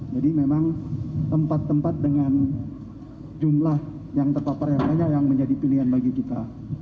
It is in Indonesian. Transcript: jadi memang tempat tempat dengan jumlah yang terpapar yang banyak yang menjadi pilihan bagi kita